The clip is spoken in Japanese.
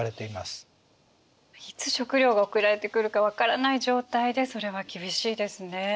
いつ食糧が送られてくるか分からない状態でそれは厳しいですね。